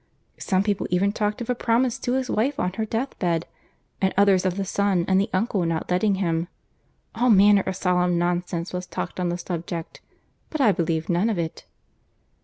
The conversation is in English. Some people even talked of a promise to his wife on her deathbed, and others of the son and the uncle not letting him. All manner of solemn nonsense was talked on the subject, but I believed none of it.